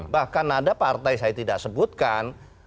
bahkan ada partai saya tidak sebutkan